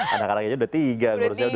anak anaknya sudah tiga